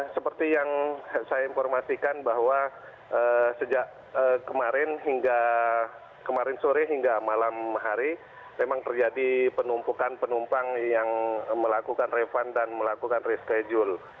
seperti yang saya informasikan bahwa sejak kemarin hingga kemarin sore hingga malam hari memang terjadi penumpukan penumpang yang melakukan refund dan melakukan reschedule